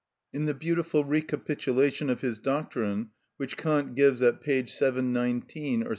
In the beautiful recapitulation of his doctrine which Kant gives at p. 719 726 or V.